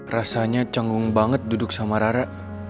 rasanya canggung banget duduk sama rara